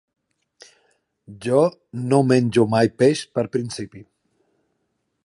Jo no menjo mai peix per principi.